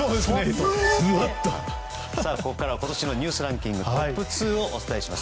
ここからはニュースランキングトップ２ご紹介します。